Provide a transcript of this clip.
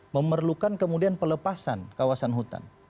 memerlukan kemudian pelepasan kawasan hutan